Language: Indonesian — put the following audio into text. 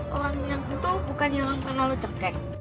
orang yang kutu bukan yang lompat noluk cekek